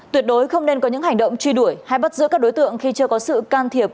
tuyệt đối không nên có những hành động truy đuổi hay bắt giữ các đối tượng khi chưa có sự can thiệp